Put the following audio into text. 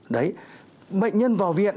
đấy bệnh nhân vào viện